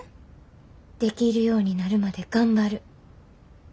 できるようになるまで頑張る。